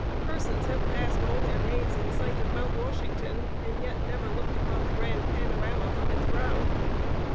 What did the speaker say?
Persons have passed all their days in sight of Mount Washington, and yet never looked upon the grand panorama from its brow.